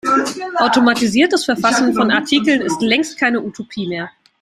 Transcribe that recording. Automatisiertes Verfassen von Artikeln ist längst keine Utopie mehr.